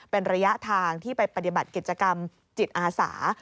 เป็นระยะทางที่ไปปฏิบัติกิจกรรมจิตอาสา